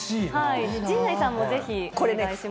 陣内さんもぜひ、お願いしま